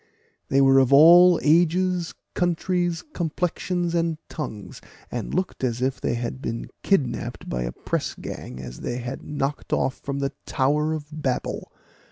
They were of all ages, countries, complexions, and tongues, and looked as if they had been kidnapped by a pressgang as they had knocked off from the Tower of Babel.